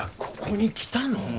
ここに来たの？